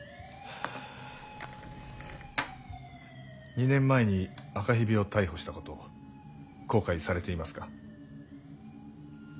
２年前に赤蛇を逮捕したこと後悔されていますか？